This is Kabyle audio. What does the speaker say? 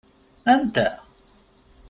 Anta?